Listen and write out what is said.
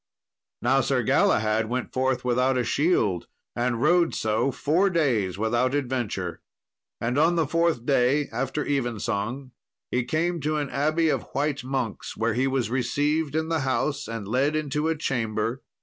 Now Sir Galahad went forth without a shield, and rode so four days without adventure; and on the fourth day, after evensong, he came to an abbey of white monks, where he was received in the house, and led into a chamber.